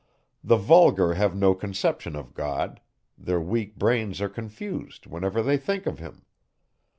The vulgar have no conception of God; their weak brains are confused, whenever they think of him.